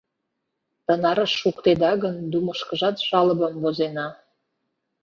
Тынарыш шуктеда гын, Думышкыжат жалобым возена.